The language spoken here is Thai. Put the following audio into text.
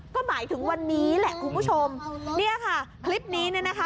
ก็หมายถึงวันนี้แหละคุณผู้ชมเนี่ยค่ะคลิปนี้เนี่ยนะคะ